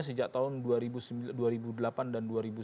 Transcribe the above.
sejak tahun dua ribu delapan dan dua ribu sembilan